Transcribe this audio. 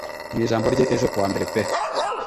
Mu ijambo rye ejo kuwa mbere pe